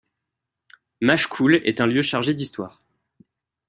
Machecoul est un lieu chargé d'histoire.